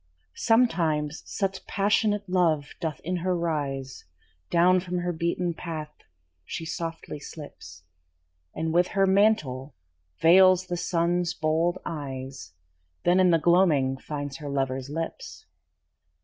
Sometimes such passionate love doth in her rise, Down from her beaten path she softly slips, And with her mantle veils the Sun's bold eyes, Then in the gloaming finds her lover's lips.